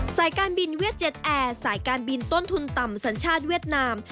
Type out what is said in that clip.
สายการบินเวียดเจนแอร์สายการบินต้นทุนต่ำสัญชาติเวียดนาม